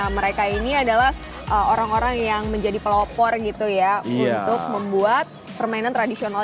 mereka ini adalah orang orang yang menjadi pelopor gitu ya untuk membuat permainan tradisional